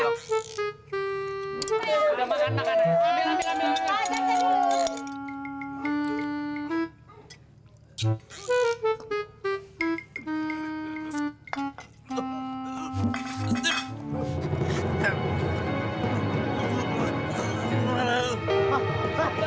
udah makan makan